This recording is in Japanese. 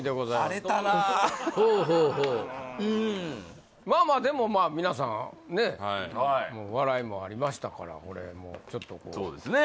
荒れたなほうほうほううんまあまあでもまあ皆さんねえはい笑いもありましたからこれそうですね